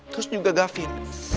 terus juga gafin